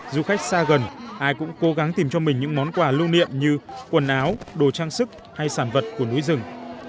du khách xa gần ai cũng cố gắng tìm cho mình những món quà lưu niệm như quần áo đồ trang sức hay sản vật của núi rừng